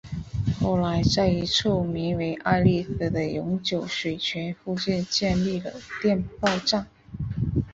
后来在一处名为爱丽斯的永久水泉附近建立了电报站。